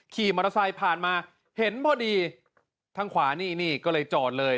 ขี่มอเตอร์ไซค์ผ่านมาเห็นพอดีทางขวานี่นี่ก็เลยจอดเลย